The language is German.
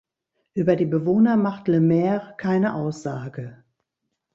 Über die Bewohner macht Le Maire keine Aussage.